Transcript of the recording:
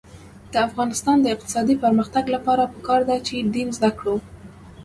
د افغانستان د اقتصادي پرمختګ لپاره پکار ده چې دین زده کړو.